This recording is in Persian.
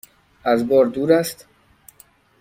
از بار دور است؟